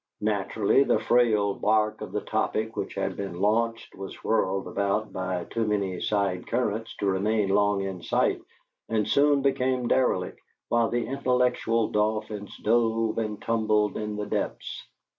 Naturally, the frail bark of the topic which had been launched was whirled about by too many side currents to remain long in sight, and soon became derelict, while the intellectual dolphins dove and tumbled in the depths.